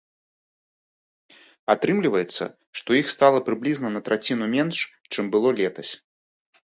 Атрымліваецца, што іх стала прыблізна на траціну менш, чым было летась.